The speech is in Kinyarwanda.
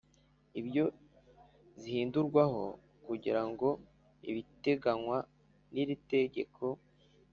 ibyo zihindurwaho kugira ngo ibiteganywa niri tegeko